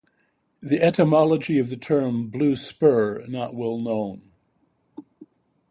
The etymology of the term "blue spur" not well known.